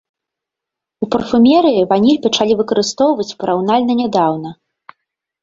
У парфумерыі ваніль пачалі выкарыстоўваць параўнальна нядаўна.